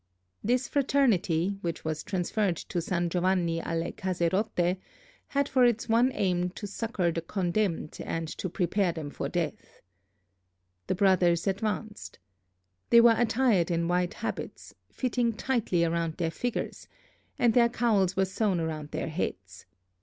This fraternity, which was transferred to San Giovanni alle Case rotte, had for its one aim to succor the condemned and to prepare them for death. The brothers advanced. They were attired in white habits, fitting tightly around their figures, and their cowls were sewn around their heads.